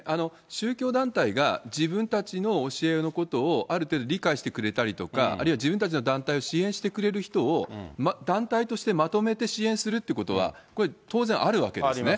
宗教団体が自分たちの教えのことをある程度理解してくれたりとか、あるいは自分たちの団体を支援してくれる人を、団体としてまとめて支援するってことは、これ、当然あるわけですね。